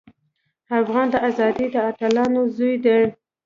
افغان د ازادۍ د اتلانو زوی دی.